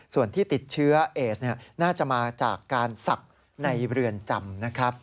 ส่วนที่ติดเชื้อเอสน่าจะมาจากการศักดิ์ในเรือนจำนะครับ